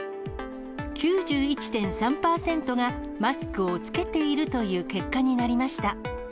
９１．３％がマスクを着けているという結果になりました。